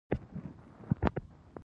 هېواد د خلکو غم شریکوي